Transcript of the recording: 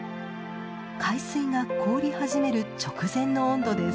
海水が凍り始める直前の温度です。